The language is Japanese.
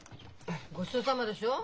ごちそうさまでしょう？